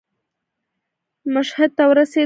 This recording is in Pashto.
مشهد ته ورسېدم.